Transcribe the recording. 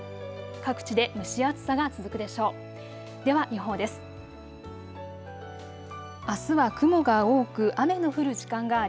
各地で蒸し暑さが続くでしょう。